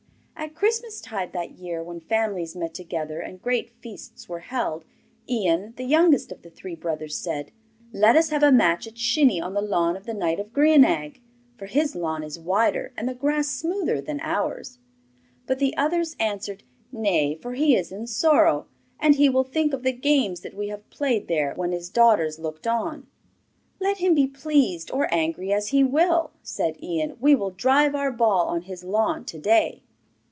At Christmastide that year, when families met together and great feasts were held, Ian, the youngest of the three brothers, said: 'Let us have a match at shinny on the lawn of the knight of Grianaig, for his lawn is wider and the grass smoother than ours.' But the others answered: 'Nay, for he is in sorrow, and he will think of the games that we have played there when his daughters looked on.' 'Let him be pleased or angry as he will,' said Ian; 'we will drive our ball on his lawn to day.